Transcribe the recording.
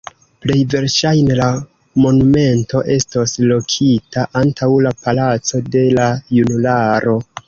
Plej verŝajne la monumento estos lokita antaŭ la Palaco de la Junularo.